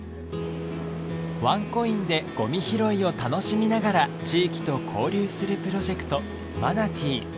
ワンコインでゴミ拾いを楽しみながら地域と交流するプロジェクトマナティ。